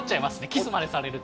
キスまでされると。